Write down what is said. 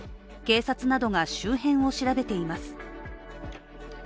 警察などが周辺を調べています。